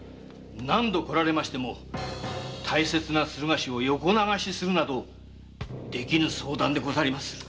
何度来られましても大切な駿河紙を横流しするなどできぬ相談でございます